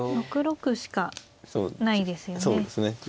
６六しかないですよね。